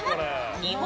日本